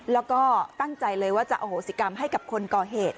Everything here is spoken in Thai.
แล้วก็ตั้งใจเลยว่าจะอโหสิกรรมให้กับคนก่อเหตุ